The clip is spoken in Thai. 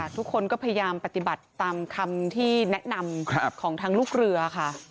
ทุกคนก็พยายามปฏิบัติตามคำที่แนะนำของทางลูกเรือค่ะ